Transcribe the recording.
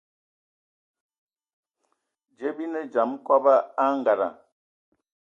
Dze bi ne dzam kɔb a angada.